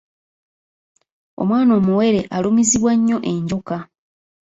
Omwana omuwere alumizibwa nnyo enjooka.